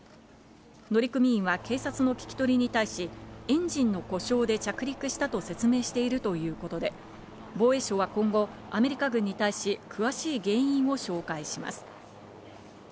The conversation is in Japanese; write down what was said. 乗組員は警察の聞き取りに対し、エンジンの故障で着陸したと説明しているということで、防衛省は今後、アメリカ軍に対し詳しい原因を照会します。